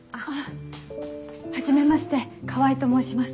はじめまして川合と申します。